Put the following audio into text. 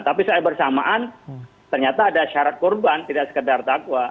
tapi saya bersamaan ternyata ada syarat kurban tidak sekedar takwa